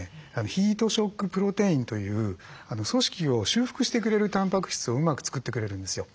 ヒートショックプロテインという組織を修復してくれるタンパク質をうまく作ってくれるんですよ。